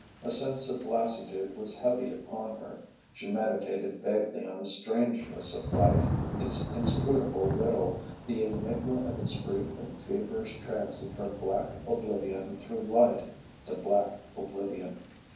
A sense of lassitude was heavy upon her. She meditated vaguely on the strangeness of life, its inscrutable riddle, the enigma of its brief and feverish transit from black oblivion through light to black oblivion.